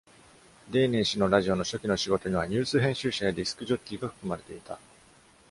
Dehner 氏のラジオの初期の仕事には、ニュース編集者やディスクジョッキーが含まれていた。